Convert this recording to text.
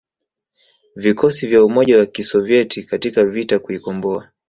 vikosi vya umoja wa Kisoviet katika vita kuikomboa